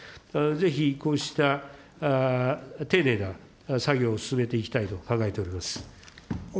ぜひ、こうした丁寧な作業を進めていきたいと考えております。